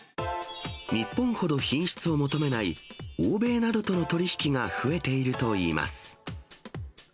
日本ほど品質を求めない欧米などとの取り引きが増えているといいます。